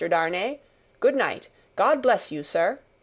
Darnay, good night, God bless you, sir!